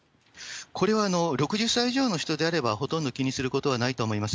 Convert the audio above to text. これは６０歳以上の人であれば、ほとんど気にすることはないと思います。